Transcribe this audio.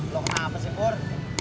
lo kenapa sih pur